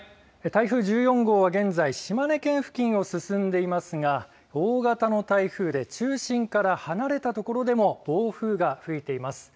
台風１４号は現在、島根県付近を進んでいますが、大型の台風で中心から離れた所でも暴風が吹いています。